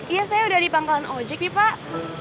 iya saya udah di pangkalan ojek nih pak